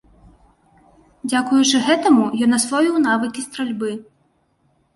Дзякуючаму гэтаму ён асвоіў навыкі стральбы.